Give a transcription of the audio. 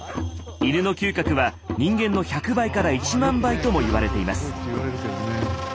犬の嗅覚は人間の１００倍から１万倍とも言われています。